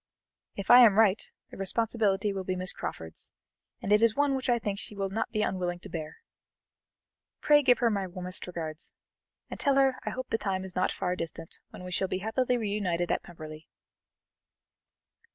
If I am right, the responsibility will be Miss Crawford's, and it is one which I think she will not be unwilling to bear. Pray give her my warmest regards, and tell her I hope the time is not far distant when we shall be happily reunited at Pemberley.'"